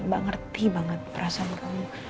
gak ngerti banget perasaan kamu